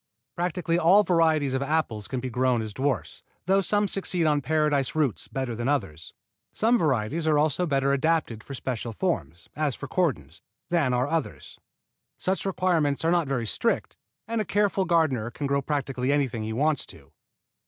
Practically all varieties of apples can be grown as dwarfs, though some succeed on Paradise roots better than others. Some varieties also are better adapted for special forms, as for cordons, than are others. Such requirements are not very strict, and a careful gardener can grow practically anything he wants to.